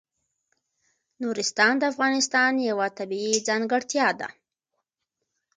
نورستان د افغانستان یوه طبیعي ځانګړتیا ده.